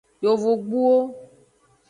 Yovogbuwo.